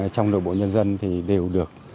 trong nội bộ nhân dân thì đều được